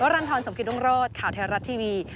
รันทรสมกิตรุงโรศข่าวไทยรัฐทีวี